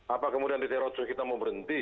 apa kemudian di teror kita mau berhenti